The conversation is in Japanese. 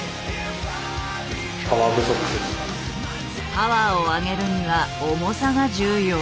パワーを上げるには重さが重要。